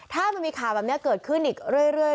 ถ้ามันมีข่าวแบบนี้เกิดขึ้นอีกเรื่อย